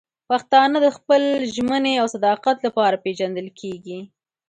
پښتانه د خپل ژمنې او صداقت لپاره پېژندل کېږي.